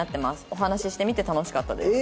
「お話ししてみて楽しかったです」。